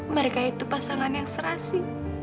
mereka itu pasangan yang serasi